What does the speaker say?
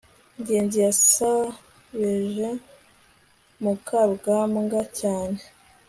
ngenzi yasebeje mukarugambwa cyane